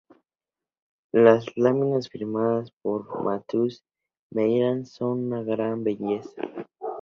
Las láminas, firmadas por Matthäus Merian, son de una gran belleza.